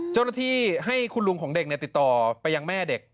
เจ้าหน้าที่ให้คุณลุงของเด็กติดต่อไปยังแม่เด็ก